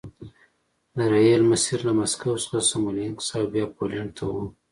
د ریل مسیر له مسکو څخه سمولینکس او بیا پولنډ ته و